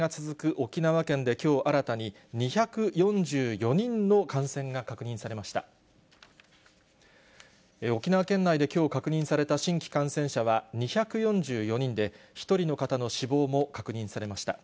沖縄県内できょう確認された新規感染者は２４４人で、１人の方の死亡も確認されました。